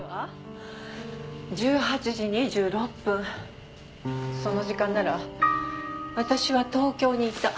１８時２６分その時間なら私は東京にいた。